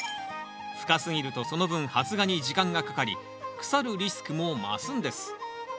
深すぎるとその分発芽に時間がかかり腐るリスクも増すんです。